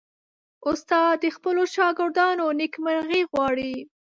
استاد د خپلو شاګردانو نیکمرغي غواړي.